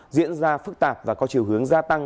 diễn ra phức tạp và có chiều hướng gia tăng